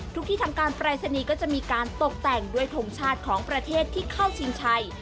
ที่ทำการปรายศนีย์ก็จะมีการตกแต่งด้วยทงชาติของประเทศที่เข้าชิงชัย